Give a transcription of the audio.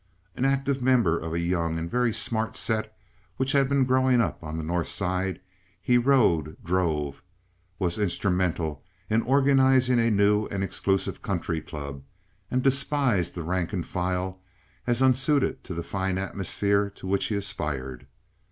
An active member of a young and very smart set which had been growing up on the North Side, he rode, drove, was instrumental in organizing a new and exclusive country club, and despised the rank and file as unsuited to the fine atmosphere to which he aspired.